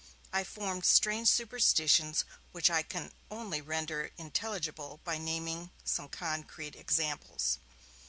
I formed strange superstitions, which I can only render intelligible by naming some concrete examples.